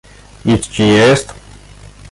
"nic ci nie jest?"